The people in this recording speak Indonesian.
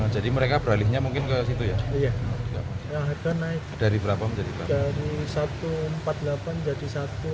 jadi mereka beralihnya mungkin ke situ ya iya ya harga naik dari berapa menjadi dari satu ratus empat puluh delapan jadi satu ratus enam puluh delapan